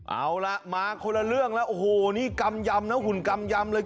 เอาล่ะมาคนละเรื่องแล้วโอ้โหนี่กำยำนะหุ่นกำยำเลย